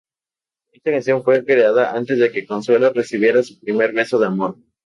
Esta canción fue creada antes de que Consuelo recibiera su primer beso de amor.